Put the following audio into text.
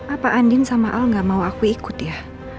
apa andin sama al gak mau aku ikut ya